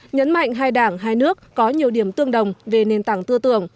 nhấn mạnh hai đảng hai nước có nhiều điểm tương đồng về nền tảng tư tưởng